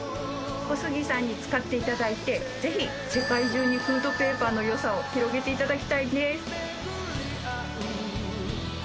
小杉さんに使っていただいてぜひ世界中にフードペーパーの良さを広げていただきたいです。